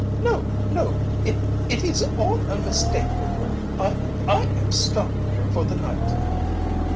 "No, no it it is all a mistake, Rover. I I am stopping here for the night."